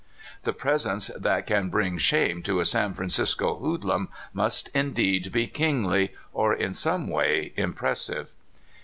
The presence that can bring shame to a San Francisco hoodlum must indeed be kingly, or in some way impressive.